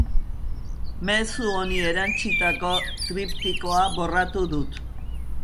Mezu honi erantsitako triptikoa borratu dut.